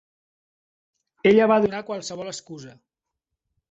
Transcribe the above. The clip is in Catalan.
Ella va donar qualsevol excusa